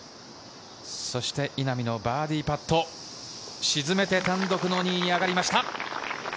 稲見のバーディーパット、沈めて単独の２位に上がりました。